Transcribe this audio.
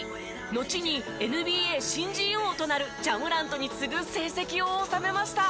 のちにＮＢＡ新人王となるジャ・モラントに次ぐ成績を収めました。